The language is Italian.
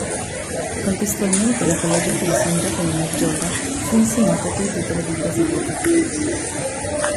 Contestualmente la collegiata di San Giacomo Maggiore fu insignita del titolo di "basilica".